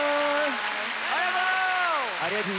ありがとう！